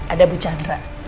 ada bu chandra